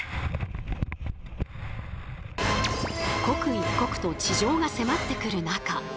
刻一刻と地上が迫ってくる中